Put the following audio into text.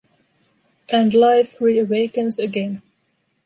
And life reawakens again.